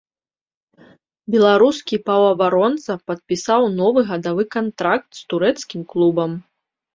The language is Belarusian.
Беларускі паўабаронца падпісаў новы гадавы кантракт з турэцкім клубам.